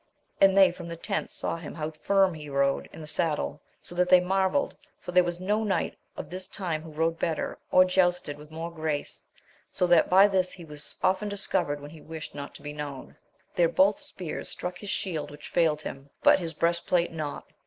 And they from the tents saw him how lirm he rode in the saddle, so that they marvelled, for there was no knight of his time who rode better, or jousted with more grace, so that by this he Vas often discovered when he wished not to be known. Their both spears struck his shield which failed him, but his breast plate not.